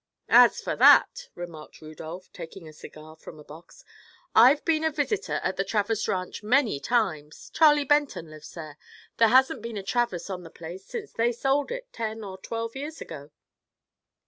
"As for that," remarked Rudolph, taking a cigar from a box, "I've been a visitor at the Travers Ranch many times. Charlie Benton lives there. There hasn't been a Travers on the place since they sold it, ten or twelve years ago."